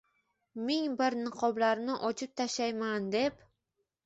Ming bir niqoblarini ochib tashlayman deb